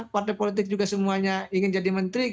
partai politik juga semuanya ingin jadi menteri